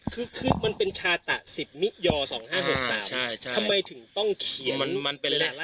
คือคือมันเป็นชาตะสิบมิยอสองห้าหกสามอ่าใช่ใช่ทำไมถึงต้องเขียนมันมันเป็น